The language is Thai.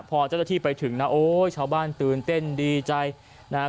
พอเจ้าหน้าที่ไปถึงนะโอ้ยชาวบ้านตื่นเต้นดีใจนะครับ